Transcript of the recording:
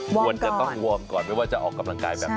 วอร์มก่อนว่าจะต้องวอร์มก่อนไม่ว่าจะออกกำลังกายแบบไหน